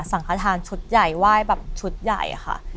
ขทานชุดใหญ่ไหว้แบบชุดใหญ่อะค่ะ